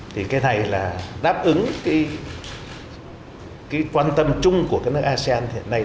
thì cái này là đáp ứng cái quan tâm chung của các nước asean